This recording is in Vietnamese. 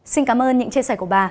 xin cảm ơn những chia sẻ của bà